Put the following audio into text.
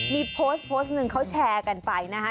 มีโพสต์หนึ่งเค้าแชร์กันไปนะ